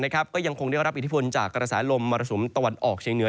ก็ยังคงได้รับอิทธิพลจากกระแสลมมรสุมตะวันออกเชียงเหนือ